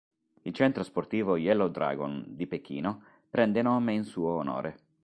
Il Centro sportivo Yellow Dragon di Pechino prende nome in suo onore.